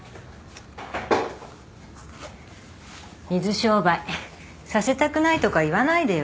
水商売させたくないとか言わないでよ。